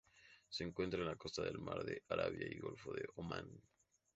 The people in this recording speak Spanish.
Se encuentran en las costas del Mar de Arabia y Golfo de Omán.